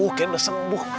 uh kayak udah sembuh